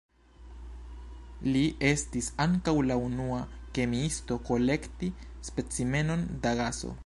Li estis ankaŭ la unua kemiisto kolekti specimenon da gaso.